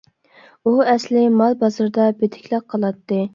ئۇ ئەسلى مال بازىرىدا بېدىكلىك قىلاتتى.